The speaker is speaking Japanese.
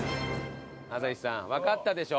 朝日さんわかったでしょ？